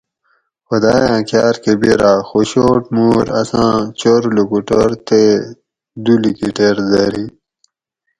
خدایاں کار کہ بِیراۤ خوشوٹ مور اساں چور لوکوٹور تے دو لِکیٹیر دری